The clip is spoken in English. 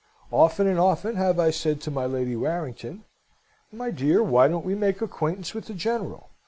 Often and often have I said to my Lady Warrington, 'My dear, why don't we make acquaintance with the General?